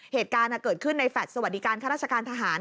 เหตุการณ์เกิดขึ้นในแฟลตสวัสดิการข้าราชการทหาร